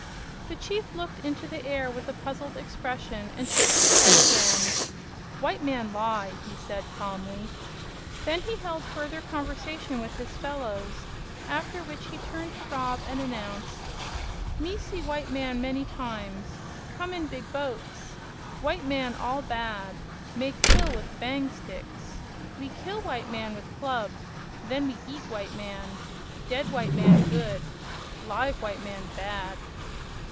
The chief looked into the air with a puzzled expression and shook his head again. "White man lie," he said calmly. Then he held further conversation with his fellows, after which he turned to Rob and announced: "Me see white man many times. Come in big boats. White man all bad. Make kill with bang sticks. We kill white man with club. Then we eat white man. Dead white man good. Live white man bad!"